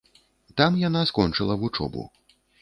Там яна скончыла вучобу.